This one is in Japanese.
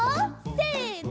せの。